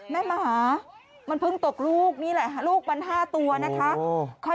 หมามันเพิ่งตกลูกนี่แหละลูกมัน๕ตัวนะคะ